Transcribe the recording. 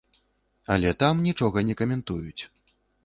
Але там нічога не каментуюць.